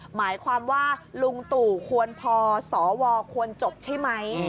หมายความว่าลุงตู่ควรพอสวควรจบใช่ไหม